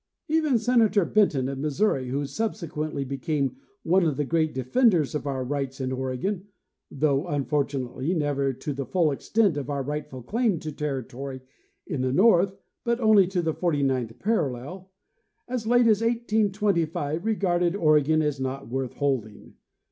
Even Senator Benton, of Missouri, who subsequently became one of the great defenders of our rights in Oregon (though unfor tunately never to the full extent of our rightful claim to territory in the north, but only to the forty ninth parallel), as late as 1825 regarded Oregon as not worth holding.